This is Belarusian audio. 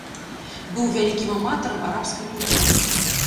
Быў вялікім аматарам арабскай культуры.